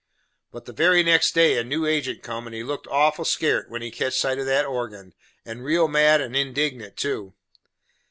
But the very next day, a new agent come, and he looked awful skairt when he katched sight of that organ, and real mad and indignant too.